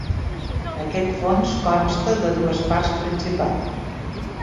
Aquest fons consta de dues parts principals.